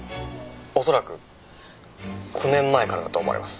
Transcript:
恐らく９年前からだと思われます。